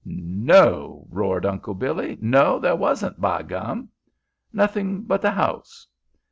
"No!" roared Uncle Billy. "No, there wasn't, by gum!" "Nothing but the house?"